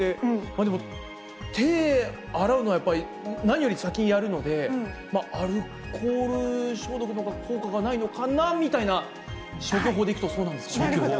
でも、手洗うのはやっぱり、何より先にやるので、アルコール消毒のほうが効果がないのかなみたいな、消去法でいくなるほど。